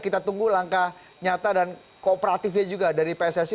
kita tunggu langkah nyata dan kooperatifnya juga dari pssi